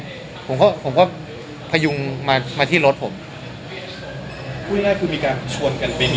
ไม่ครับไม่ไม่ผมก็ผมก็พยุงมามาที่รถผมคุยแรกคือมีการชวนกัน